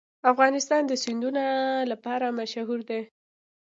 افغانستان د سیندونه لپاره مشهور دی.